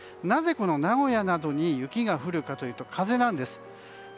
なぜ名古屋などに雪が降るかというと風なんです。